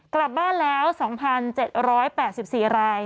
กลับบ้านแล้ว๒๗๘๔ราย